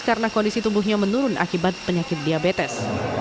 karena kondisi tubuhnya menurun akibat penyakit diabetes